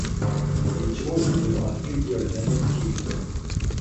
Yettwagdel ɣef yigerdan ad keyyfen.